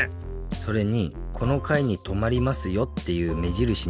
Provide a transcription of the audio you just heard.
それにこのかいに止まりますよっていう目じるしにもなるね。